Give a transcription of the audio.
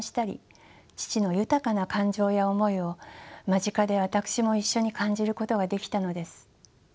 父の豊かな感情や思いを間近で私も一緒に感じることができたのです。